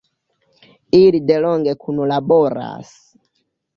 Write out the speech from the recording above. Ili delonge kunlaboras.